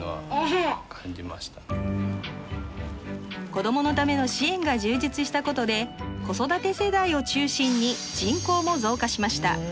子どものための支援が充実したことで子育て世代を中心に人口も増加しました。